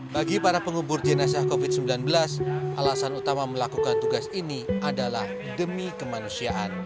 bagi para pengubur jenazah covid sembilan belas alasan utama melakukan tugas ini adalah demi kemanusiaan